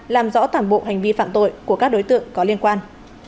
làm rõ toàn bộ hành vi phạm tội của các đối tượng có liên quan